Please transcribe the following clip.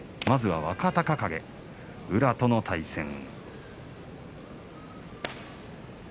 まずは若隆景、宇良との対戦。